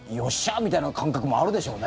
みたいな感覚もあるでしょうね。